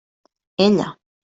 Ella!